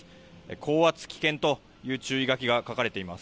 高圧危険という注意書きが書かれています。